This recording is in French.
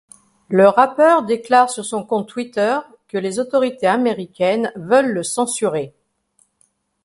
Le rappeur déclare sur son compte Twitter que les autorités américaines veulent la censurer.